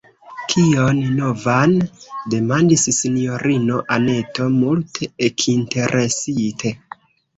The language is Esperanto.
« Kion novan? » demandis sinjorino Anneto multe ekinteresite.